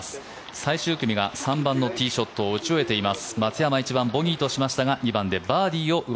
最終組が３番のティーショットを打ち終えています。